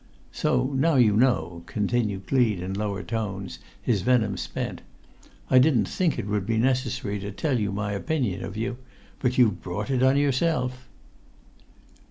So now you know," continued Gleed in lower tones, his venom spent. "I didn't think it[Pg 94] would be necessary to tell you my opinion of you; but you've brought it on yourself."